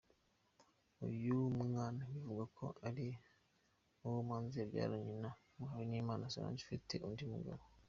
Uyu mwana bivugwa ko ari uwo Manzi yabyaranye na Muhawenimana Solange ufite undi mugabo.